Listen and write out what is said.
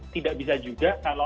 tidak bisa juga kalau